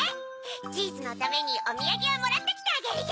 チーズのためにおみやげをもらってきてあげるよ。